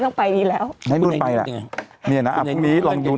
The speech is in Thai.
ต้องไปดีแล้วให้นู่นไปล่ะเนี่ยนะอ่ะพรุ่งนี้ลองดู